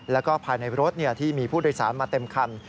แล้วก็ภายในรถที่มีผู้โดยสารมาเต็มคัน